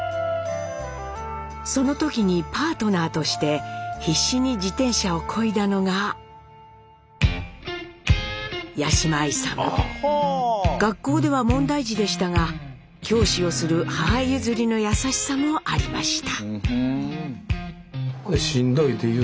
その時にパートナーとして必死に自転車をこいだのが学校では問題児でしたが教師をする母譲りの優しさもありました。